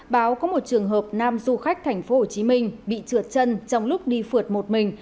báo có một trường hợp nam du khách thành phố hồ chí minh bị trượt chân trong lúc đi phượt một mình